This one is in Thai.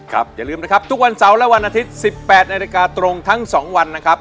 อย่าลืมนะครับทุกวันเสาร์และวันอาทิตย์๑๘นาฬิกาตรงทั้ง๒วันนะครับ